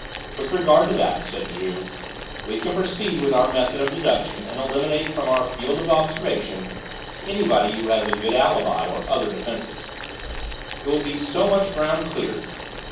"With regard to that," said Juve, "we can proceed with our method of deduction and eliminate from our field of observation everybody who has a good alibi or other defence; it will be so much ground cleared.